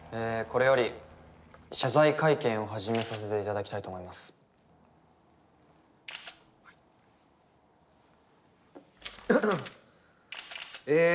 これより謝罪会見を始めさせていただきたいと思いますはいええー